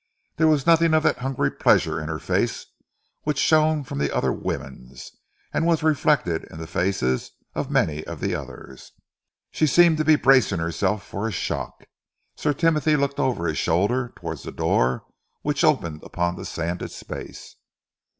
There was none of that hungry pleasure in her face which shone from the other woman's and was reflected in the faces of many of the others. She seemed to be bracing herself for a shock. Sir Timothy looked over his shoulder towards the door which opened upon the sanded space.